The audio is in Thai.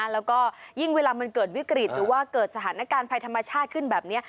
แล้วก็ยิ่งเวลามันเกิดวิกฤตหรือว่าเกิดสถานการณ์ภัยธรรมชาติขึ้นแบบนี้